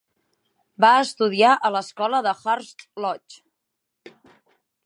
Va estudiar a l'escola de Hurst Lodge.